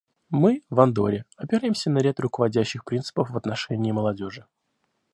Мы, в Андорре, опираемся на ряд руководящих принципов в отношении молодежи.